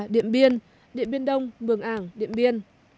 điện biên điện biên đông mường ảng điện biên